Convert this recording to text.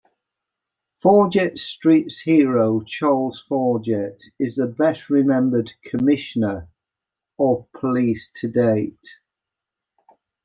Forjett Street's Hero Charles Forjett is the best-remembered commissioner of police to date.